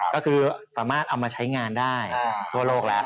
ก็คือสามารถเอามาใช้งานได้ทั่วโลกแล้ว